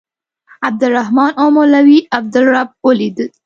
عبدالرحمن او مولوي عبدالرب ولیدل.